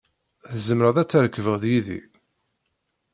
Tzemreḍ ad trekbeḍ yid-i.